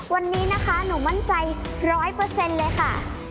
วันนี้นะคะหนูมั่นใจ๑๐๐เลยค่ะ